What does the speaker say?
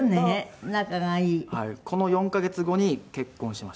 「この４カ月後に結婚しました」